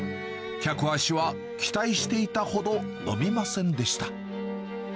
客足は、期待していたほど伸びませんでした。